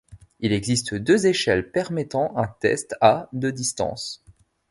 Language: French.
Il existe deux échelles permettant un test à de distance.